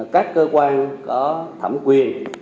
các cơ quan có thẩm quyền